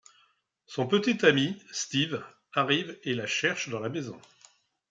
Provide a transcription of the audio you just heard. Son petit ami, Steve, arrive et la cherche dans la maison.